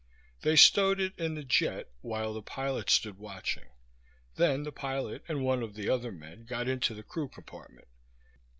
They stowed it in the jet while the pilot stood watching; then the pilot and one of the other men got into the crew compartment.